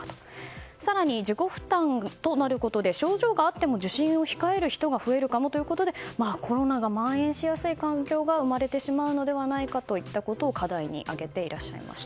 更に、自己負担となることで症状があっても受診を控える人が増えるかもということでコロナが蔓延しやすい環境が生まれてしまうのではといったことを課題に挙げてらっしゃいました。